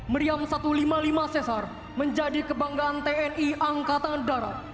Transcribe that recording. meriam satu ratus lima puluh lima cesar menjadi kebanggaan tni angkatan darat